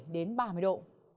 đến ba mươi độ